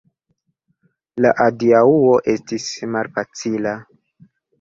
La adiaŭo estis malfacila.